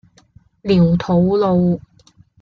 寮肚路